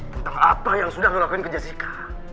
tentang apa yang sudah dilakukan ke jessica